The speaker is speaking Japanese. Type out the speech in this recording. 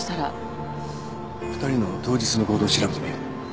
２人の当日の行動を調べてみよう。